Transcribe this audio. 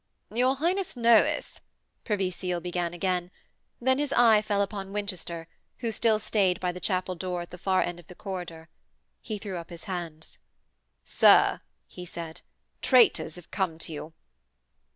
'Your Highness knoweth....' Privy Seal began again, then his eye fell upon Winchester, who still stayed by the chapel door at the far end of the corridor. He threw up his hands. 'Sir,' he said. 'Traitors have come to you!'